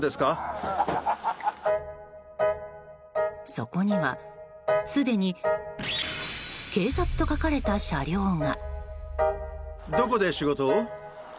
そこには、すでに警察と書かれた車両が。